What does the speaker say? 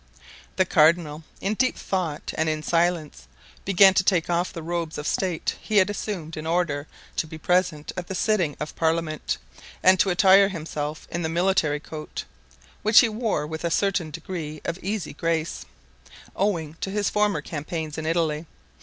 The cardinal, in deep thought and in silence, began to take off the robes of state he had assumed in order to be present at the sitting of parliament, and to attire himself in the military coat, which he wore with a certain degree of easy grace, owing to his former campaigns in Italy.